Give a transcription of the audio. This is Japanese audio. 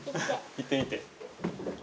行ってみて。